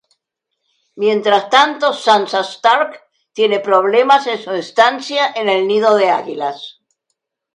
Mientras tanto, Sansa Stark tiene problemas en su estancia en el Nido de Águilas.